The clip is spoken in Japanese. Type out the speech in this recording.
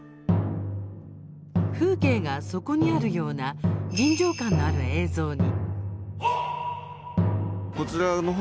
風景がそこにあるような臨場感のある映像に。